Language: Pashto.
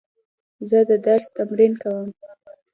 زه د درس تمرین کوم.